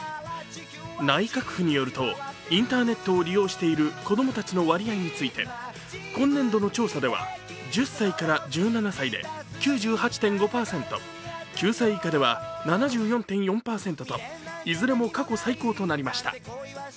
内閣府によると、インターネットを利用している子供たちの割合について今年度の調査では１０歳から１７歳で９８．５％、９歳以下では７４．４％といずれも過去最高となりました。